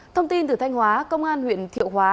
thông tin từ thanh hóa công an huyện thiệu hóa